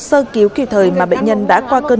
sơ cứu kịp thời mà bệnh nhân đã qua cơn